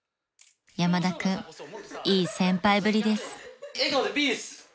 ［山田君いい先輩ぶりです］